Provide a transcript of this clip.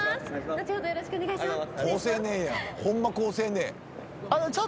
後ほどよろしくお願いします。